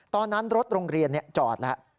ตอนนั้นรถโรงเรียนจอดแล้ว